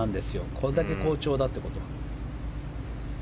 これだけ好調だということは。